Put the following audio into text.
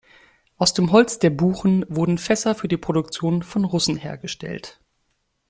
Aus dem Holz der Buchen wurden Fässer für die Produktion von Russen hergestellt.